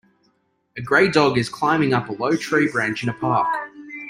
A gray dog is climbing up a low tree branch in a park.